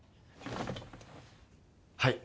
はい。